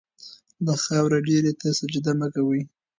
د خاورو ډېري ته سجده مه کوئ.